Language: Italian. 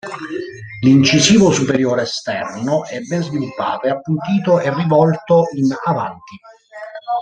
L'incisivo superiore esterno è ben sviluppato, appuntito e rivolto in avanti.